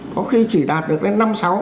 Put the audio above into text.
có khi chỉ đạt được lên năm sáu